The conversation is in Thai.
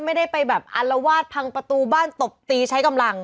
ไม่ได้ไปแบบอารวาสพังประตูบ้านตบตีใช้กำลัง